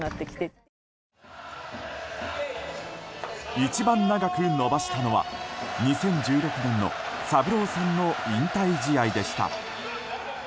一番長く伸ばしたのは２０１６年のサブローさんの引退試合でした。